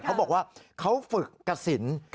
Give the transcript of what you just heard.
เขาบอกว่าเขาฝึกกระสิน